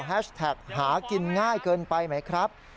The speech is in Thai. แท็กหากินง่ายเกินไปไหมครับ